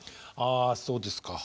あそうですか。